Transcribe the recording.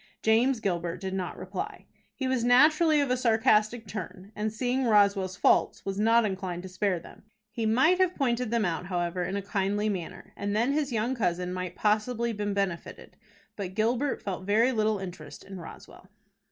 James Gilbert did not reply. He was naturally of a sarcastic turn, and, seeing Roswell's faults, was not inclined to spare them. He might have pointed them out, however, in a kindly manner, and then his young cousin might possibly been benefited; but Gilbert felt very little interest in Roswell.